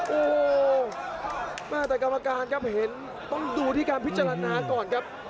โอ้โหแม่แต่กรรมการครับเห็นต้องดูที่การพิจารณาก่อนครับ